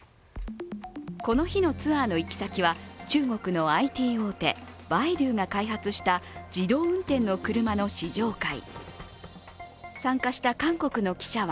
この日のツアーの行き先は、中国のＩＴ大手、バイドゥが開発した自動運転の車の試乗会。